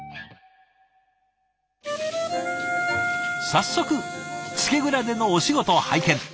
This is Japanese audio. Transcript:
早速漬け蔵でのお仕事拝見。